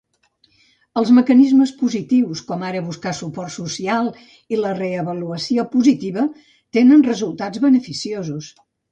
Els mecanismes positius, com ara buscar suport social i la re-avaluació positiva tenen resultats beneficiosos.